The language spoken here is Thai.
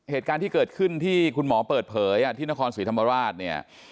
เหตุการณ์ที่เกิดขึ้นที่คุณหมอเปิดเผยที่นครศรีธรรมราชเนี่ย